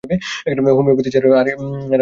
Homeopathy ছাড়া এর আর কোন কার্যকর চিকিৎসা নেই।